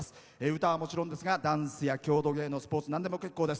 歌はもちろんですがダンスや郷土芸能スポーツなんでも結構です。